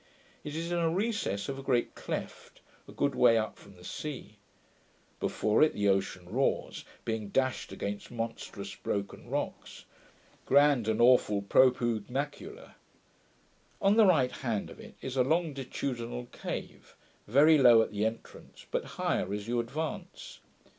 It is in a recess of a great cleft, a good way up from the sea. Before it the ocean roars, being dashed against monstrous broken rocks; grand and aweful propugnacula. On the right hand of it is a longitudinal cave, very low at the entrance, but higher as you advance.